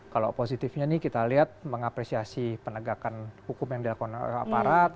kalau positifnya nih kita lihat mengapresiasi penegakan hukum yang diakon aparat seperti peredaran vaksin palsu